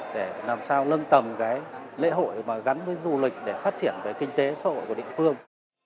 để làm sao nâng tầm cái lễ hội mà gắn với du lịch để phát triển về kinh tế xã hội của địa phương